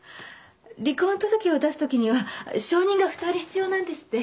離婚届を出すときには証人が２人必要なんですって。